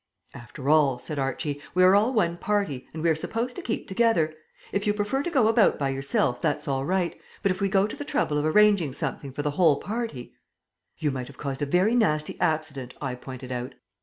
"After all," said Archie, "we are all one party, and we are supposed to keep together. If you prefer to go about by yourself, that's all right; but if we go to the trouble of arranging something for the whole party " "You might have caused a very nasty accident," I pointed out.